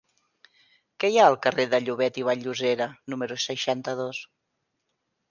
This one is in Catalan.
Què hi ha al carrer de Llobet i Vall-llosera número seixanta-dos?